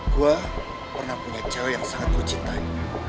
gue pernah punya cewek yang sangat gue cintai